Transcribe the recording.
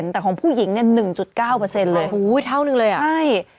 แต่ของผู้หญิงเนี่ย๑๙เลยเท่านึงเลยอ่ะใช่